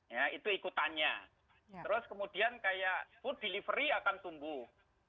ya itu ikutannya terus kemudian kayak food delivery akan tumbuh